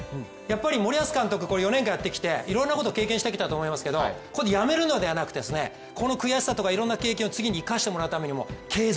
森保監督、４年間やってきていろんなことを経験してきたと思いますけどここでやめるのではなくて、この悔しさとかいろんな経験を次に生かしてもらうためにも継続。